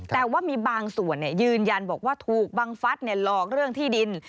แต่ว่ามีบางส่วนยืนยันบอกว่าถูกบังฟัสหลอกเรื่องที่ดิน